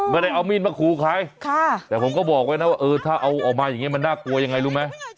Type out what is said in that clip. ไม่ได้เอามีดมาคูใครแต่ผมก็บอกไว้นะว่าเออถ้าเอาออกมาอย่างนี้มันน่ากลัวยังไงรู้ไหม